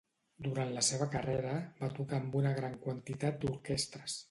Durant la seva carrera va tocar amb una gran quantitat d'orquestres.